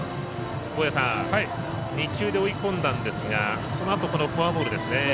２球で追い込んだんですがそのあとフォアボールですね。